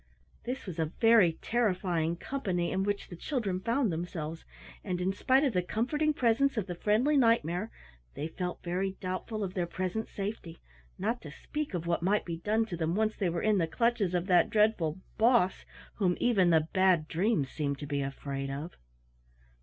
This was a very terrifying company in which the children found themselves, and in spite of the comforting presence of the friendly Knight mare, they felt very doubtful of their present safety, not to speak of what might be done to them when once they were in the clutches of that dreadful "Boss", whom even the Bad Dreams seemed to be afraid of.